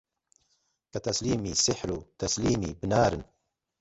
کە تەسلیمی سیحر و تەلیسمی بنارن